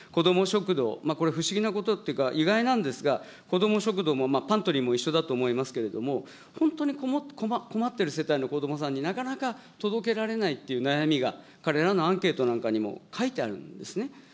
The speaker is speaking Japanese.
食堂、これ不思議なことっていうか、意外なんですが、こども食堂もパントリーも一緒だと思いますけれども、本当に困ってる世帯のこどもさんに、なかなか届けられないっていう悩みが、彼らのアンケートなんかにも書いてあるんですね。